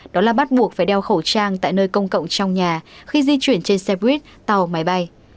đó là bắt buộc phải đeo khẩu trang tại nơi công cộng trong nhà khi di chuyển trên xe buýt tàu máy bay